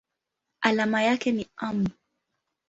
Alama yake ni µm.